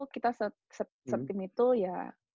kita set tim itu ya